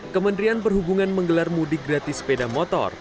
kementerian perhubungan menggelar mudik gratis sepeda motor